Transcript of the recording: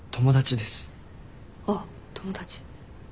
あっ友達。